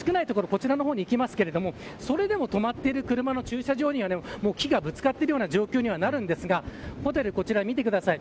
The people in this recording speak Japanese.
こちらの方に行きますけどそれでも止まっている車の駐車場には木がぶつかっているような状況になるんですがホテル、こちら見てください。